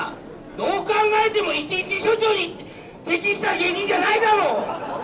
どう考えても一日署長に適した芸人じゃないだろう。